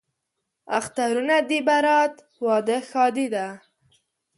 اخترونه دي برات، واده، ښادي ده